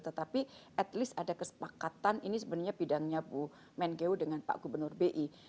tetapi at least ada kesepakatan ini sebenarnya bidangnya bu menkeu dengan pak gubernur bi